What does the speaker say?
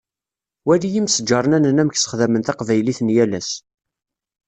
Wali imesǧarnanen amek sexdamen taqbaylit n yal ass.